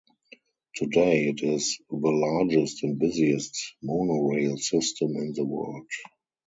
Today it is the largest and busiest monorail system in the world.